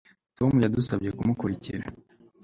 Tom yadusabye kumukurikira